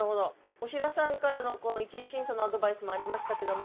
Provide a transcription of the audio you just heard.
おしらさんからの一次審査のアドバイスもありましたけども。